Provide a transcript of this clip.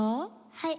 はい。